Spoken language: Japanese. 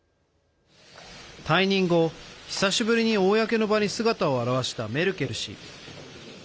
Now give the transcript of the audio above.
退任後、久しぶりに公の場に姿を現したメルケル氏。